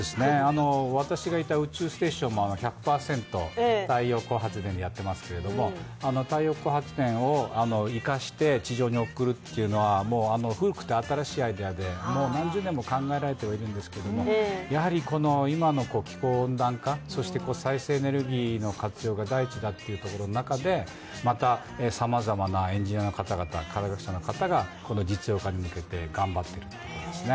私がいた宇宙ステーションも１００％太陽光発電でやっていますけれども、太陽光発電を生かして、地上に送るというのは古くて新しいアイデアで、何十年も考えられてはいるんですけれどもやはり今の気候温暖化、再生エネルギーの活用が第一だという中でまた、さまざまなエンジニアの方々、科学者の方が実用化に向けて頑張っているところですね。